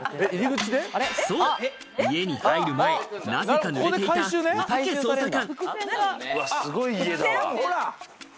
そう、家に入る前、なぜか濡れていた、おたけ捜査官。